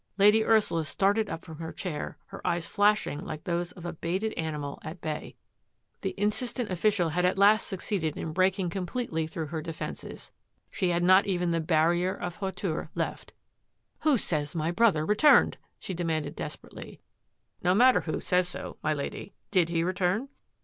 Lady Ursula started up from her chair, her eyes flash ing like those of a baited animal at bay. The in THRUST AND PARRY 181 sistent official had at last succeeded in breaking completely through her defences. She had not even the barrier of hauteur left. "Who says that my brother returned?" she demanded desperately. " No matter who says so, my Lady. Did he return?